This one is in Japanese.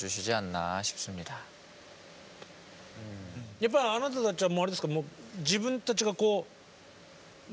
やっぱりあなたたちはあれですか？